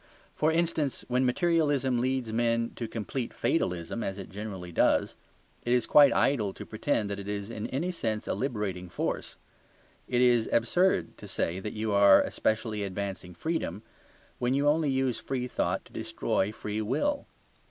For instance, when materialism leads men to complete fatalism (as it generally does), it is quite idle to pretend that it is in any sense a liberating force. It is absurd to say that you are especially advancing freedom when you only use free thought to destroy free will.